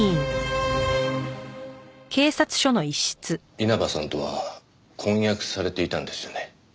稲葉さんとは婚約されていたんですよね？